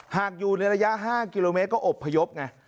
อยู่ในระยะ๕กิโลเมตรก็อบพยพไง